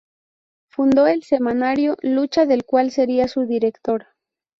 Fundó el semanario "Lucha", del cual sería su director.